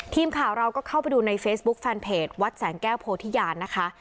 ทีมข่าวเราก็เข้าไปดูในเฟซบุ๊คแฟนเพจวัดแสงแก้วโพธิญาณนะคะ